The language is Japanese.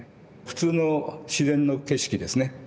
普通の自然の景色ですね